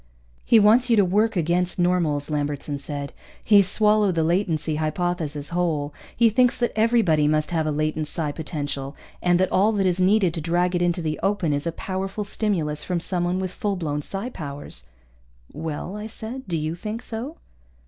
"He wants you to work against normals," Lambertson said. "He's swallowed the latency hypothesis whole. He thinks that everybody must have a latent psi potential, and that all that is needed to drag it into the open is a powerful stimulus from someone with full blown psi powers." "Well?" I said. "Do you think so?"